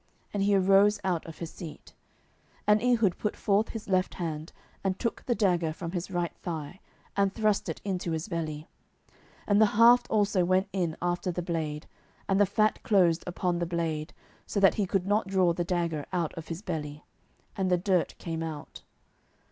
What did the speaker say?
And he arose out of his seat. 07:003:021 And Ehud put forth his left hand, and took the dagger from his right thigh, and thrust it into his belly: 07:003:022 And the haft also went in after the blade; and the fat closed upon the blade, so that he could not draw the dagger out of his belly; and the dirt came out.